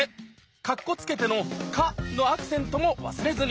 カッコつけての「カ」のアクセントも忘れずに。